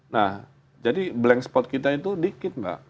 nah jadi blank spot kita itu dikit mbak